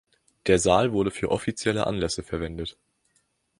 Der Saal wurde für offizielle Anlässe verwendet.